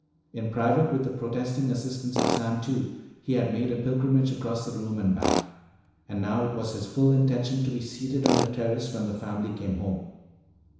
In private, with the protesting assistance of Sam Two, he had made a pilgrimage across the room and back. And now it was his full intention to be seated on the terrace when the family came home.